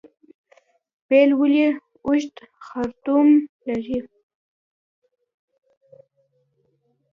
پیل ولې اوږد خرطوم لري؟